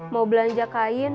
mau belanja kain